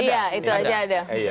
iya itu aja ada